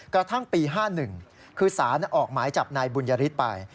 กระทั่งปี๕๑คือสารออกหมายจับนายบุญยฤทธิ์ไป